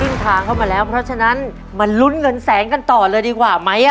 ทางเข้ามาแล้วเพราะฉะนั้นมาลุ้นเงินแสนกันต่อเลยดีกว่าไหม